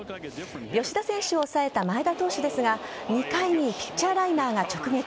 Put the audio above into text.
吉田選手を抑えた前田投手ですが２回にピッチャーライナーが直撃。